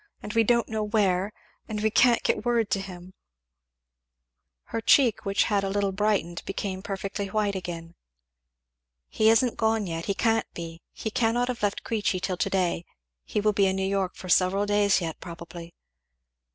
And we don't know where and we can't get word to him " Her cheek which had a little brightened became perfectly white again. "He isn't gone yet he can't be he cannot have left Queechy till to day he will be in New York for several days yet probably."